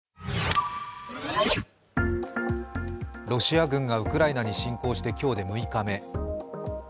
ロシア軍がウクライナに侵攻して今日で６日目。